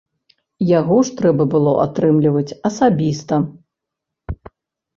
Яго ж трэба было атрымліваць асабіста.